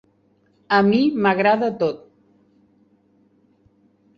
A mi m'agrada tot.